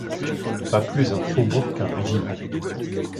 Pas plus un faubourg qu'un régiment.